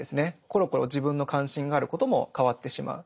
コロコロ自分の関心があることも変わってしまう。